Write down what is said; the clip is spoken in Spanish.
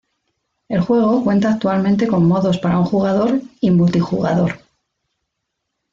El juego cuenta actualmente con modos para un jugador y multijugador.